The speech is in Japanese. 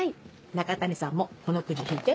中谷さんもこのクジ引いて。